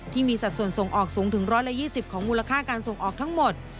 สัดส่วนส่งออกสูงถึง๑๒๐ของมูลค่าการส่งออกทั้งหมด